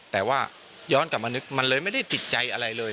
แต่ว่าย้อนกลับมานึกมันเลยไม่ได้ติดใจอะไรเลย